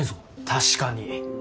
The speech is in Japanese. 確かに。